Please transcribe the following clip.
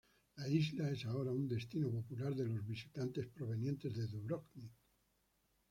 La isla es ahora un destino popular de los visitantes provenientes de Dubrovnik.